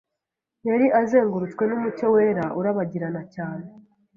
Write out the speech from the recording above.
Yari azengurutswe n’umucyo wera urabagirana cyane